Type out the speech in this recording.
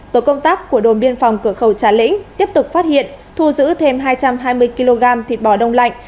tổ công tác của đồn biên phòng cửa khẩu trà lĩnh tiếp tục phát hiện thu giữ thêm hai trăm hai mươi kg thịt bò đông lạnh